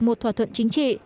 một thỏa thuận chính trị